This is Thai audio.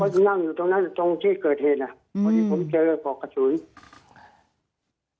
นั่งอยู่ตรงนั้นตรงที่เกิดเหตุอ่ะพอดีผมเจอปลอกกระสุน